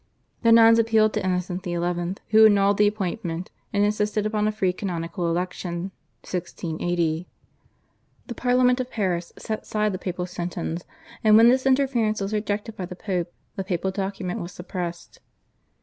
The nuns appealed to Innocent XI., who annulled the appointment and insisted upon a free canonical election (1680). The Parliament of Paris set side the papal sentence, and when this interference was rejected by the Pope, the papal document was suppressed.